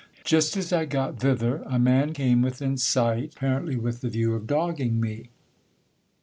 Just as I got thither, a man came within sight, apparently with the view of dogging me.